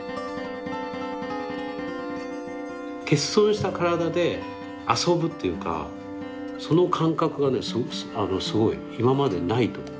欠損した身体で遊ぶというかその感覚がすごい今までにないと思うそれは。